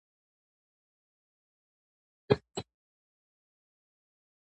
شخصي ګټې باید قربان شي.